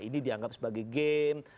ini dianggap sebagai game